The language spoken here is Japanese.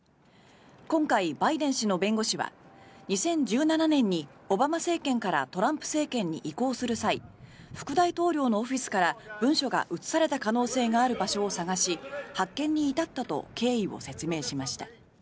今回、バイデン氏の弁護士は２０１７年にオバマ政権からトランプ政権に移行する際副大統領のオフィスから文書が移された可能性がある場所を探し発見に至ったと経緯を説明しました。